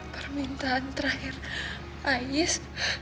permintaan terakhir ais